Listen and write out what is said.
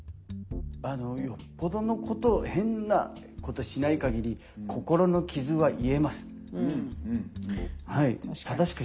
あのよっぽどのこと変なことしないかぎり心の傷は癒えます。